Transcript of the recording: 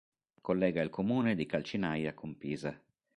Collega il comune di Calcinaia con Pisa.